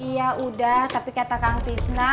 yaudah tapi kata kang fizna